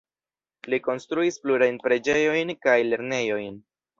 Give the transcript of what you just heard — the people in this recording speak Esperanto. Li konstruis plurajn preĝejojn kaj lernejojn.